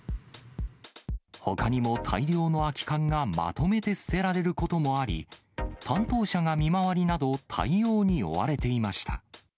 ほかにも大量の空き缶がまとめて捨てられることもあり、担当者が見回りなど、対応に追われていました。